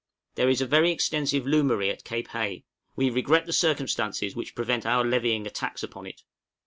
There is a very extensive loomery at Cape Hay; we regret the circumstances which prevent our levying a tax upon it.